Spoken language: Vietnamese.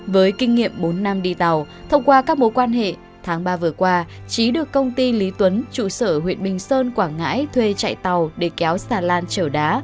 với kinh nghiệm bốn năm đi tàu thông qua các mối quan hệ tháng ba vừa qua trí được công ty lý tuấn trụ sở huyện bình sơn quảng ngãi thuê chạy tàu để kéo xà lan chở đá